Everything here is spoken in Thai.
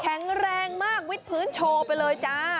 แรงมากวิดพื้นโชว์ไปเลยจ้า